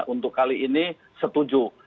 untuk kali ini setuju